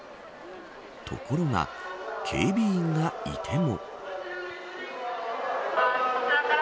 ところが警備員がいても。